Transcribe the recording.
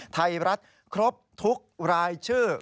ไทยรัฐครบทุกรายชื่อ